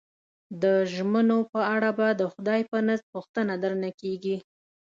د ژمنو په اړه به د خدای په نزد پوښتنه درنه کېږي.